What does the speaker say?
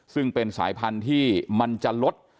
ซึ่งเป็นสายพันธุ์ที่มันจะลด